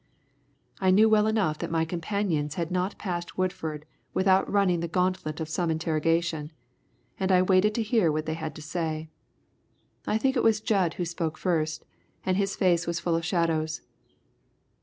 I knew well enough that my companions had not passed Woodford without running the gauntlet of some interrogation, and I waited to hear what they had to say. I think it was Jud who spoke first, and his face was full of shadows.